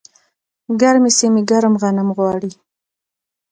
ګرمې سیمې ګرم غنم غواړي.